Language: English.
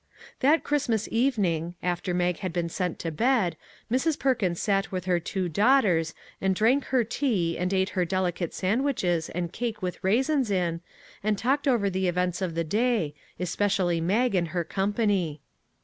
That Christmas evening, after Mag had been sent to bed, Mrs. Perkins sat with her two daugh ters, and drank her tea and ate her delicate sand wiches and cake with raisins in, and talked over the events of the day, especially Mag and her company.